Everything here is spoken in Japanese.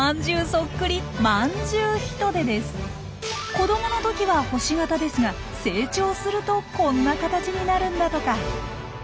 そっくり子どものときは星形ですが成長するとこんな形になるんだとか。